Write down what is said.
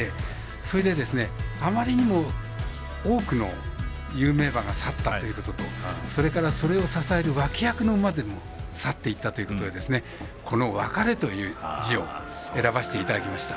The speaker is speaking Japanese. それであまりにも多くの有名馬が去ったということとそれから、それを支える脇役の馬も去っていったということで「別れ」という字を選ばせていただきました。